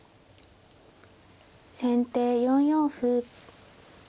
先手４四歩。